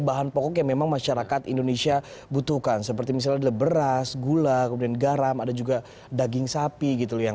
bahan pokok yang memang masyarakat indonesia butuhkan seperti misalnya ada beras gula kemudian garam ada juga daging sapi gitu yang